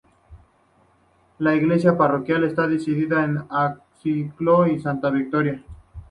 La iglesia parroquial está dedicada a san Acisclo y santa Victoria.